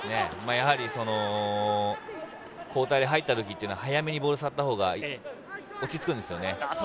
やはり交代で入った時っていうのは早めにボールを触ったほうが落ち着くんですよね。